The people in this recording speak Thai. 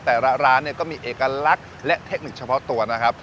แต่ละร้านเนี่ยก็มีเอกลักษณ์และเทคนิคเฉพาะตัวนะครับ